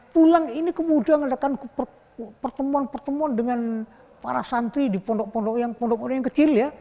pulang ini kemudian adakan pertemuan pertemuan dengan para santri di pondok pondok yang kecil ya